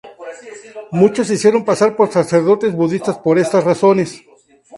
Muchos se hicieron pasar por sacerdotes budistas por estas razones.